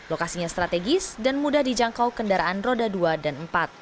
lokasinya strategis dan mudah dijangkau kendaraan roda dua dan empat